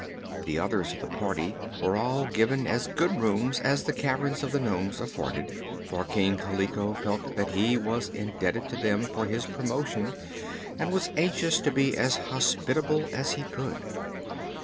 The others of the party were all given as good rooms as the caverns of the nomes afforded, for King Kaliko felt that he was indebted to them for his promotion and was anxious to be as hospitable as he could.